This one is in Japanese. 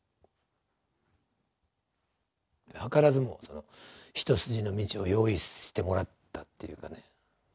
図らずも一筋の道を用意してもらったっていうかね。